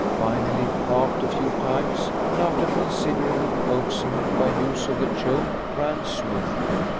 Finally it coughed a few times, and, after considerable coaxing by use of the choke, ran smoothly.